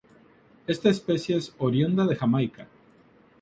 Esta especie es oriunda de Jamaica.